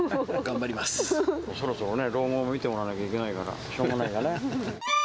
そろそろね、老後も見てもらわなきゃいけないから、しょうがないよね。